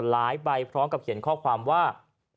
ใบพร้อมกับเขียนข้อความว่า